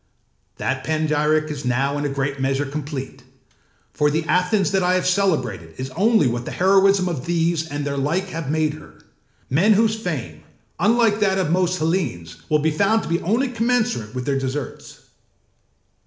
That panegyric is now in a great measure complete; for the Athens that I have celebrated is only what the heroism of these and their like have made her, men whose fame, unlike that of most Hellenes, will be found to be only commensurate with their deserts.